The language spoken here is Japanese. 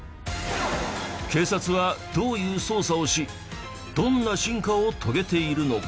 警察はどういう捜査をしどんな進化を遂げているのか？